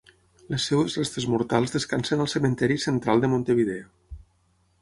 Les seves restes mortals descansen al Cementiri Central de Montevideo.